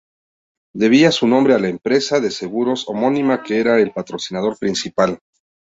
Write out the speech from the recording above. Debía su nombre a la empresa de seguros homónima que era el patrocinador principal.